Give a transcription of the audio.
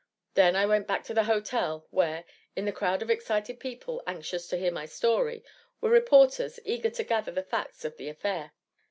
Then I went back to the hotel where, in the crowd of excited people anxious to hear my story, were reporters eager to gather the facts of the affair.